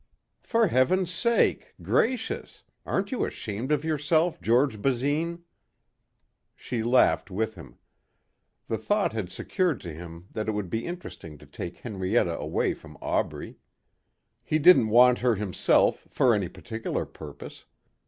"For heaven's sake! Gracious! Aren't you ashamed of yourself, George Basine!" She laughed with him. The thought had secured to him that it would be interesting to take Henrietta away from Aubrey. He didn't want her himself for any particular purpose.